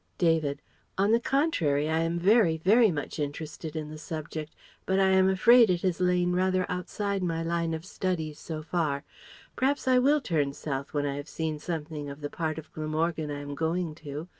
David: "On the contrary, I am very, very much interested in the subject, but I am afraid it has lain rather outside my line of studies so far p'raps I will turn south when I have seen something of the part of Glamorgan I am going to.